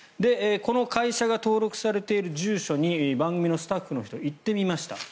この会社が登録されている住所に番組のスタッフの人行ってみました。